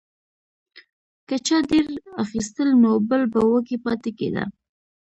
که چا ډیر اخیستل نو بل به وږی پاتې کیده.